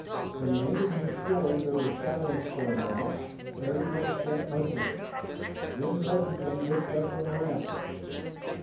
When he ended his story, there was silence for a moment. Everyone sat motionless. Then Morganson looked up and around.